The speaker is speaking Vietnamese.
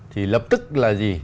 thì lập tức là gì